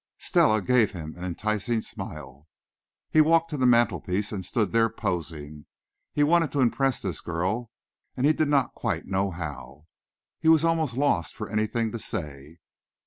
Stella gave him an enticing smile. He walked to the mantel piece and stood there, posing. He wanted to impress this girl, and he did not quite know how. He was almost lost for anything to say.